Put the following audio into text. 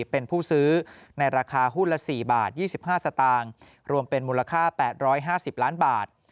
เป็นผู้ซื้อในราคาหุ้นละ๔บาท๒๕สตางค์รวมเป็นมูลค่า๘๕๐ล้านบาท